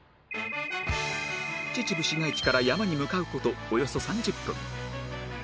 秩父市街地から山に向かう事およそ３０分